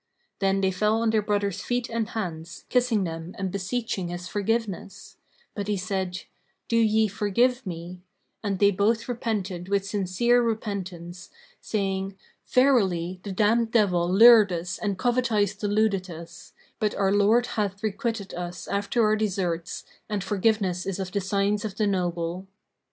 Then they fell on their brother's feet and hands, kissing them and beseeching his forgiveness: but he said, "Do ye forgive me;" and they both repented with sincere repentance, saying, "Verily, the damned Devil lured us and covetise deluded us: but our Lord hath requited us after our deserts, and forgiveness is of the signs of the noble."